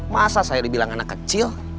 masa saya dibilang anak kecil